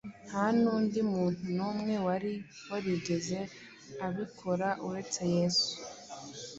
Nta n’undi muntu n’umwe wari warigeze abikora uretse Yesu.